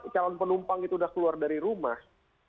calon penumpang itu sudah keluar dari rumah